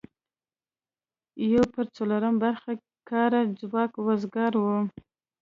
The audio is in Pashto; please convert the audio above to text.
یو پر څلورمه برخه کاري ځواک وزګار و.